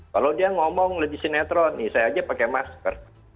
kalau dia ngomong lebih sinetron nih saya aja pakai masker